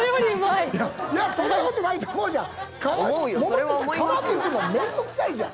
そんな事ないって思うじゃん？